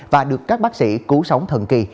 và được các bác sĩ cứu sống thần kỳ